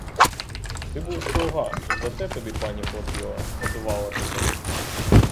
Ти був слуга і за те тобі пані платила, годувала тебе.